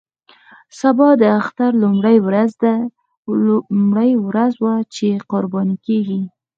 سبا د اختر لومړۍ ورځ وه چې قرباني کېږي.